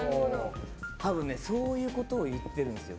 多分、そういうことを言ってるんですよ。